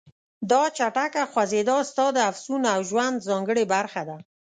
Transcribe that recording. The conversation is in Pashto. دا چټکه خوځېدا ستا د افسون او ژوند ځانګړې برخه ده.